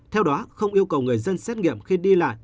theo đó không yêu cầu người dân xét nghiệm khi đi lại